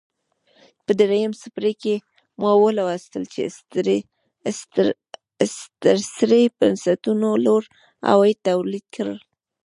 په درېیم څپرکي کې مو ولوستل چې استثري بنسټونو لوړ عواید تولید کړل